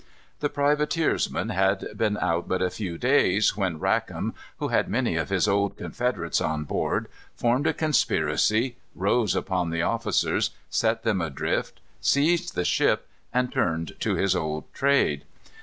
The privateersman had been out but a few days when Rackam, who had many of his old confederates on board, formed a conspiracy, rose upon the officers, set them adrift, seized the ship, and turned to his old trade.